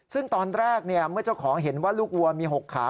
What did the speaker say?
ซึ่งตอนแรกเมื่อเจ้าของเห็นว่าลูกวัวมี๖ขา